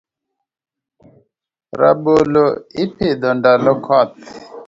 Rabolo ipidho ndalo koth.